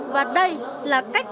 và đây là cách